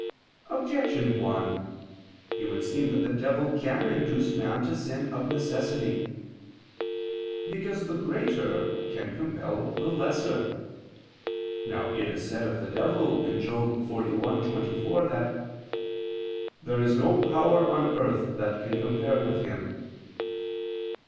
Objection 1: It would seem that the devil can induce man to sin of necessity. Because the greater can compel the lesser. Now it is said of the devil (Job 41:24) that "there is no power on earth that can compare with him."